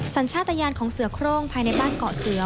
สัญชาติยานของเสือโครงภายในบ้านเกาะเสือ